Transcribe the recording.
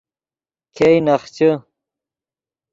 ګئے نخچے